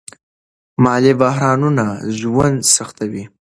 مالي بحرانونه ژوند سختوي.